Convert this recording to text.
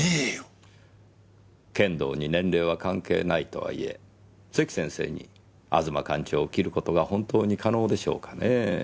剣道に年齢は関係ないとはいえ関先生に吾妻館長を斬る事が本当に可能でしょうかねぇ。